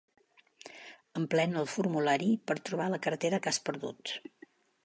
Emplena el formulari per trobar la cartera que has perdut.